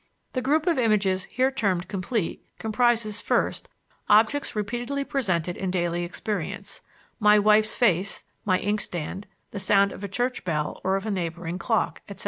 The group of images here termed complete comprises first, objects repeatedly presented in daily experience my wife's face, my inkstand, the sound of a church bell or of a neighboring clock, etc.